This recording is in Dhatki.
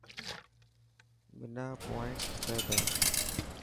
منا پووانٽس کپي تا.